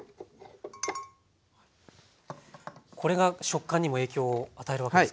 これが食感にも影響を与えるわけですか？